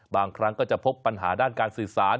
บางครั้งก็จะพบปัญหาด้านการสื่อสาร